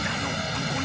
ここに。